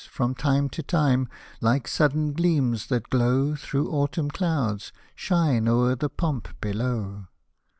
From time to time, like sudden gleams that glow Through autumn clouds, shine o'er the pomp below.